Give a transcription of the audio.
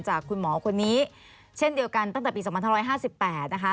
คุณหมอคนนี้เช่นเดียวกันตั้งแต่ปี๒๕๕๘นะคะ